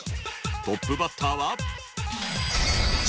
トップバッターは。